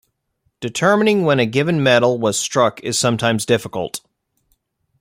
Determining when a given medal was struck is sometimes difficult.